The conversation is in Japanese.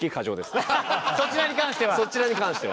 そちらに関しては？